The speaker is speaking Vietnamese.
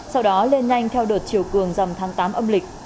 sau đó lên nhanh theo đợt chiều cường dầm tháng tám âm lịch